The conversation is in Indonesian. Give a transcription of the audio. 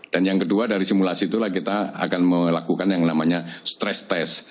dan yang kedua dari simulasi itulah kita akan melakukan yang namanya stress test